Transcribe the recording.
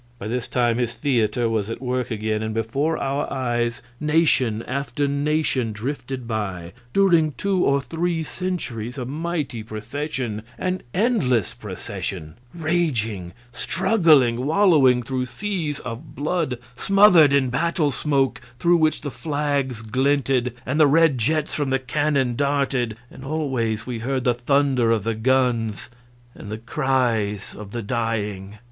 By this time his theater was at work again, and before our eyes nation after nation drifted by, during two or three centuries, a mighty procession, an endless procession, raging, struggling, wallowing through seas of blood, smothered in battle smoke through which the flags glinted and the red jets from the cannon darted; and always we heard the thunder of the guns and the cries of the dying.